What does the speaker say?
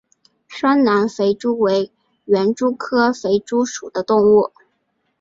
双南肥蛛为园蛛科肥蛛属的动物。